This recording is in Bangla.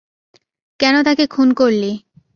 কেন তাকে খুন করলি?